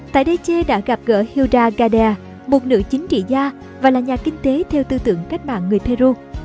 tại đây ché đã gặp gỡ hiuda gardea một nữ chính trị gia và là nhà kinh tế theo tư tưởng cách mạng người peru